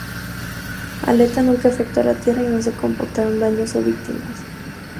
Aletta nunca afectó a la tierra, y no se reportaron daños o víctimas.